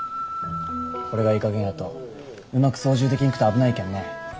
これがいいかげんやとうまく操縦できんくて危ないけんね。